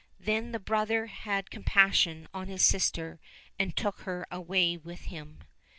Then the brother had compassion on his sister and took her away with him.